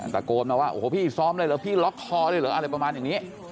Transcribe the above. ตะโกนมาว่าโอ้โหพี่ซ้อมเลยเหรอพี่ล็อกคอเลยเหรออะไรประมาณอย่างนี้